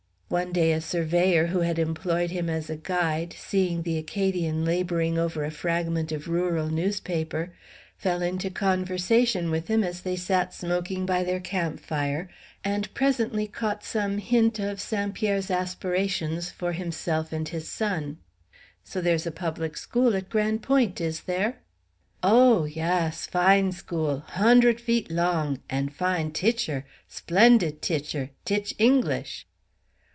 One day a surveyor, who had employed him as a guide, seeing the Acadian laboring over a fragment of rural newspaper, fell into conversation with him as they sat smoking by their camp fire, and presently caught some hint of St. Pierre's aspirations for himself and his son. "So there's a public school at Grande Pointe, is there?" "Oh, yass; fine school; hondred feet long! and fine titcher; splendid titcher; titch English."